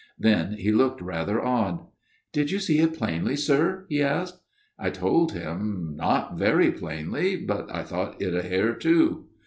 Then he looked rather odd. "' Did you see it plainly, sir/ he asked. " I told him, not very plainly ; but I thought it a hare too.